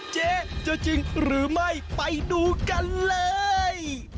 เจ๊จะจริงหรือไม่ไปดูกันเลย